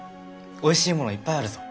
おいしいものいっぱいあるぞ。